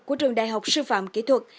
của trường đại học sư phẩm kỹ thuật